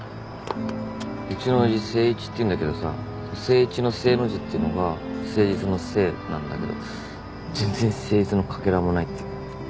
うちの親父誠一っていうんだけどさ誠一の誠の字ってのが誠実の誠なんだけど全然誠実のかけらもないっていうか。